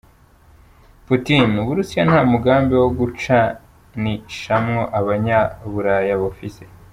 Putin: Uburusiya nta mugambi wo gucanishamwo abanya Buraya bufise.